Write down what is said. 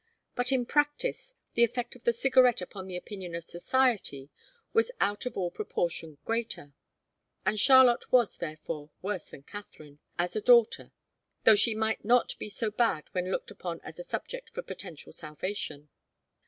But in practice, the effect of the cigarette upon the opinion of society was out of all proportion greater, and Charlotte was therefore worse than Katharine, as a daughter, though she might not be so bad when looked upon as a subject for potential salvation.